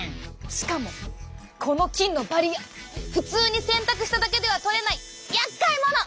しかもこの菌のバリア普通に洗濯しただけでは取れないやっかいもの！